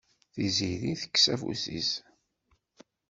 Tiziri tekkes afus-is.